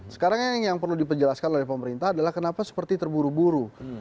sekarang yang perlu dipejelaskan oleh pemerintah adalah kenapa seperti terburu buru